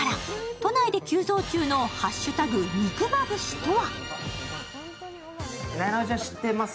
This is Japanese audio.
都内で急増中の「＃肉まぶし」とは。